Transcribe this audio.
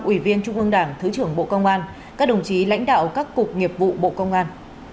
ủy viên trung ương đảng thứ trưởng bộ công an các đồng chí lãnh đạo các cục nghiệp vụ bộ công an